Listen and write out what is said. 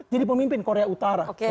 jadi pemimpin korea utara